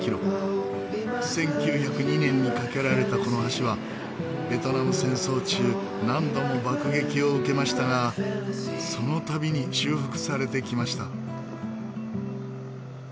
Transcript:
１９０２年に架けられたこの橋はベトナム戦争中何度も爆撃を受けましたがその度に修復されてきました。